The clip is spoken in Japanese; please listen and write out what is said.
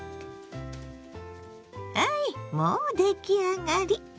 はいもう出来上がり！